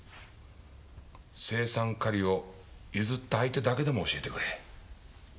青酸カリを譲った相手だけでも教えてくれ。